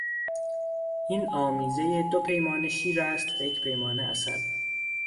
این آمیزه دو پیمانه شیر است و یک پیمانه عسل.